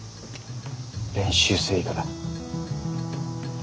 練習生以下だ。